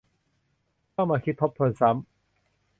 ต้องมาคิดทบทวนซ้ำ